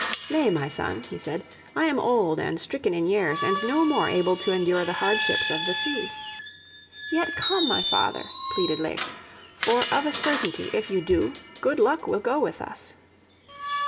"Nay, my son," he said, " I am old and stricken in years, and no more able to endure the hardships of the sea." "Yet come, my father," pleaded Leif, "for of a certainty if you do, good luck will go with us."